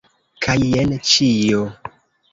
Kaj jen ĉio.